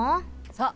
そう！